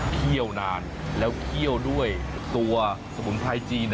เขี้ยวนานและเขี้ยวด้วยตัวสบุนไพรจีน